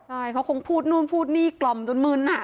ใช่เขาคงพูดนู่นพูดนี่กล่อมจนมึน